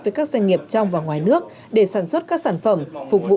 với các doanh nghiệp trong và ngoài nước để sản xuất các sản phẩm phục vụ